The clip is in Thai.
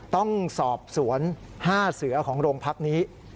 ต้องสอบสวน๕เสือของโรงพักนี้